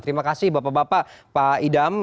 terima kasih bapak bapak pak idam